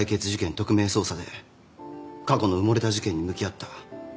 特命捜査で過去の埋もれた事件に向き合った。